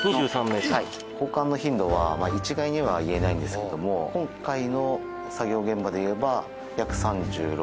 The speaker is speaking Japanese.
交換の頻度は一概には言えないんですけども今回の作業現場でいえば。